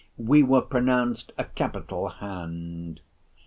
We were pronounced a "capital hand."